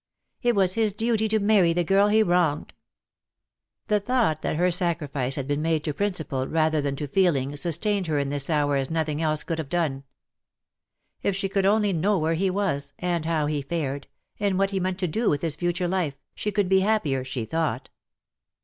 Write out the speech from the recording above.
It was his duty to marry the girl he wronged.^' AND JOY A VANE THAT VEERS." 45 The thought that her sacrifice had been made to principle rather than to feeling sustained, her in this hour as nothing else could have done. If she could only know where he was, and how he fared, and what he meant to do with his future life, she could be happier, she thought.